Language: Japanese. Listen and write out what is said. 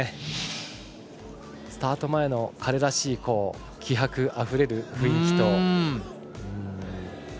スタート前の彼らしい気迫あふれる雰囲気。